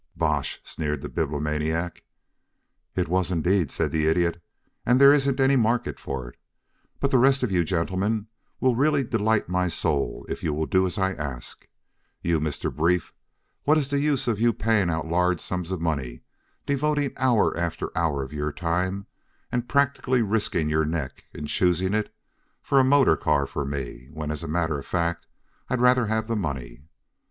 "Bosh!" sneered the Bibliomaniac. "It was, indeed," said the Idiot. "And there isn't any market for it. But the rest of you gentlemen will really delight my soul if you will do as I ask. You, Mr. Brief what is the use of your paying out large sums of money, devoting hour after hour of your time, and practically risking your neck in choosing it, for a motor car for me, when, as a matter of fact, I'd rather have the money?